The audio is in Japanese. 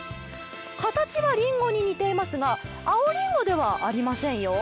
形はりんごに似ていますが、青りんごではありませんよ。